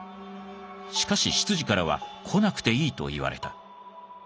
しかし執事からは「来なくていい」と言われた。